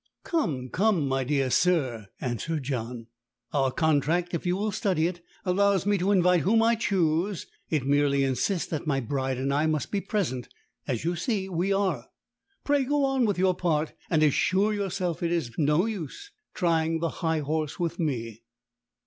"Come, come, my dear sir," answered John, "our contract, if you will study it, allows me to invite whom I choose; it merely insists that my bride and I must be present, as you see we are. Pray go on with your part, and assure yourself it is no use to try the high horse with me."